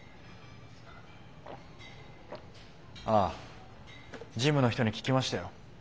ああジムの人に聞きましたよ。